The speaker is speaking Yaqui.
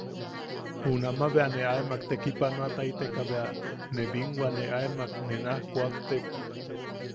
Junama bea ne aemak tekipanoataiteka bea ne binwa ne aemak ne naj kuaktek.